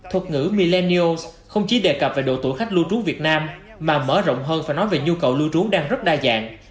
thuật ngữ millenios không chỉ đề cập về độ tuổi khách lưu trú việt nam mà mở rộng hơn và nói về nhu cầu lưu trú đang rất đa dạng